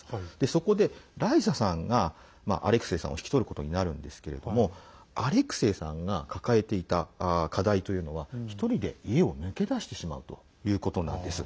そこでライサさんがアレクセイさんを引き取ることになるんですけどもアレクセイさんが抱えていた課題というのは１人で家を抜け出してしまうということなんです。